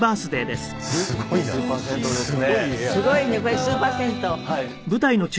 すごいね。